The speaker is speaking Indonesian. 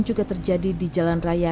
pulang ke mana ya